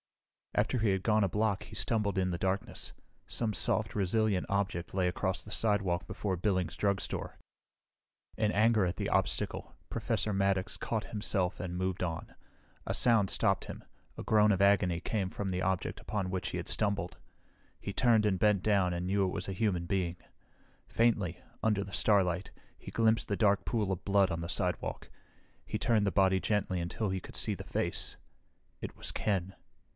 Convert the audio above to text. After he had gone a block he stumbled in the darkness. Some soft, resilient object lay across the sidewalk before Billings Drugstore. In anger at the obstacle, Professor Maddox caught himself and moved on. A sound stopped him. A groan of agony came from the object upon which he had stumbled. He turned and bent down and knew it was a human being. Faintly, under the starlight, he glimpsed the dark pool of blood on the sidewalk. He turned the body gently until he could see the face. It was Ken.